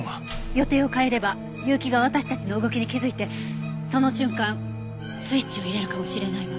予定を変えれば結城が私たちの動きに気づいてその瞬間スイッチを入れるかもしれないわ。